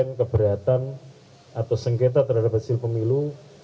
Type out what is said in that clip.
dan juga komplem keberatan atau sengketa terhadap hasil pemilu